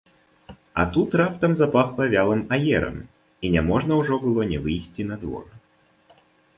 А тут раптам запахла вялым аерам, і няможна ўжо было не выйсці на двор.